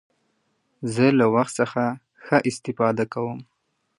زه له وخت څخه ښه استفاده کوم.